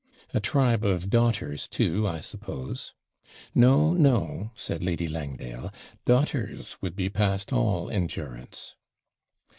'A tribe of daughters, too, I suppose?' 'No, no,' said Lady Langdale, 'daughters would be past all endurance.'